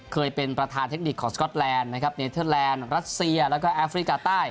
เคยเป็นประธานเทคนิคของสก๊อตแลนด์นะครับเนเทอร์แลนด์รัสเซียแล้วก็แอฟริกาใต้